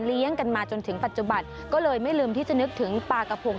กันมาจนถึงปัจจุบันก็เลยไม่ลืมที่จะนึกถึงปลากระพง